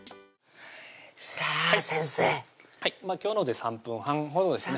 さぁ先生はい今日ので３分半ほどですね